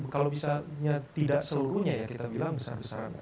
kalau bisanya tidak seluruhnya ya kita bilang besar besaran